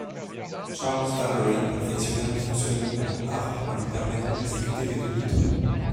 Charles Dallery perfectionna le fonctionnement de la harpe en lui permettant d'exécuter des demi-tons.